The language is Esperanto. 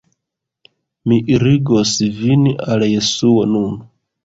Mi irigos vin al Jesuo nun.